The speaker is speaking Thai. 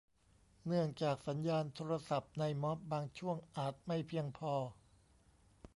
เนื่องจากสัญญาณโทรศัพท์ในม็อบบางช่วงอาจไม่เพียงพอ